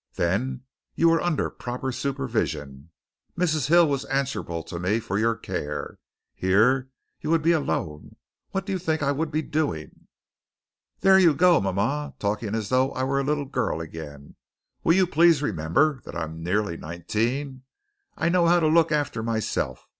Then you were under proper supervision. Mrs. Hill was answerable to me for your care. Here you would be alone. What do you think I would be doing?" "There you go, mama, talking as though I was a little girl again. Will you please remember that I am nearly nineteen? I know how to look after myself.